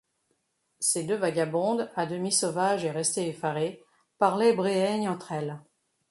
Ces deux vagabondes, à demi sauvages et restées effarées, parlaient bréhaigne entre elles.